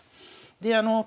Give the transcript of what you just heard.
であの